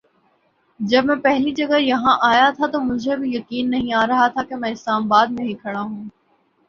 جب میں پہلی جگہ یہاں آیا تھا تو مجھے بھی یقین نہیں آ رہا تھا کہ میں اسلام آباد ہی میں کھڑا ہوں ۔